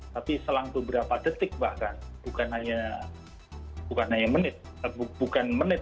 tapi selang beberapa detik bahkan bukan hanya menit bukan menit